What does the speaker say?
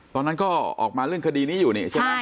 ตอนนั้นก็ออกมาเรื่องคดีนี้อยู่นี่ใช่ไหม